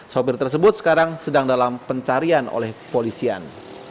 sopir tersebut sekarang sedang dalam pencarian oleh kepolisian